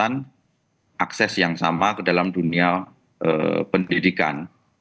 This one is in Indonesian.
dan akses yang sama ke dalam dunia pendidikan